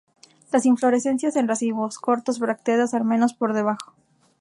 Las inflorescencias en racimos cortos, bracteadas al menos por debajo.